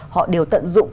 họ đều tận dụng